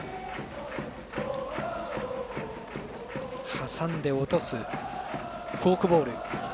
挟んで落とすフォークボール。